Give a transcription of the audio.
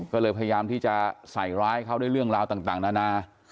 ก็เลยพยายามที่จะใส่ร้ายเขาด้วยเรื่องราวต่างนานา